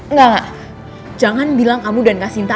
enggak jangan bilang kamu dan kak sinta